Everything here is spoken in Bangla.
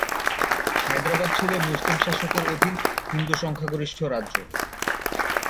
হায়দ্রাবাদ ছিল মুসলিম শাসকের অধীন হিন্দু সংখ্যাগরিষ্ঠ রাজ্য।